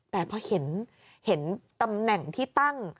แต่พอเห็นตำแหน่งที่ตั้ง